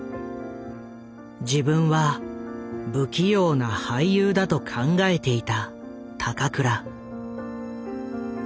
自分は不器用な俳優だと考えていた高倉。